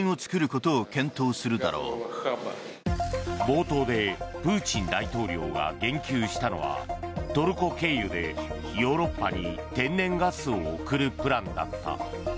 冒頭でプーチン大統領が言及したのはトルコ経由でヨーロッパに天然ガスを送るプランだった。